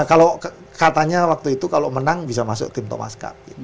kalau katanya waktu itu kalau menang bisa masuk tim thomas cup